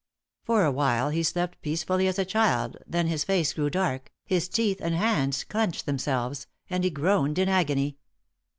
For a while he slept peacefully as a child then his face grew dark, his teeth and hands clenched themselves, and he groaned in agony.